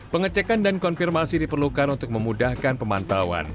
pengecekan dan konfirmasi diperlukan untuk memudahkan pemantauan